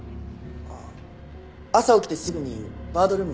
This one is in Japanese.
あっ朝起きてすぐにバードルームに行ったんで。